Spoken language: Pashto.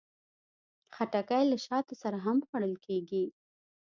خټکی له شاتو سره هم خوړل کېږي.